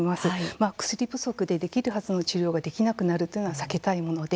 薬不足でできる治療ができなくなるのは避けたいものです。